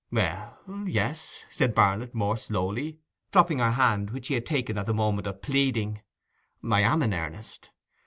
'Well, yes,' said Barnet more slowly, dropping her hand, which he had taken at the moment of pleading, 'I am in earnest.